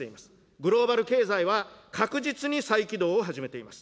グローバル経済は確実に再起動を始めています。